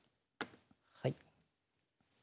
はい。